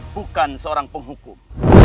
bukan seorang penghukum